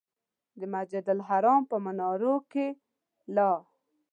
د مسجدالحرام په منارونو کې لا.